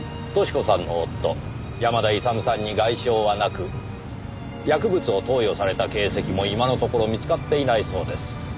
淑子さんの夫山田勇さんに外傷はなく薬物を投与された形跡も今のところ見つかっていないそうです。